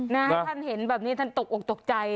ให้ท่านเห็นแบบนี้ท่านตกอกตกใจ